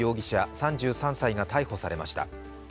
３３歳が逮捕されました。